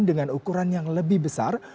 dengan ukuran yang lebih besar